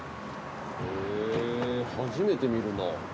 へぇ初めて見るな。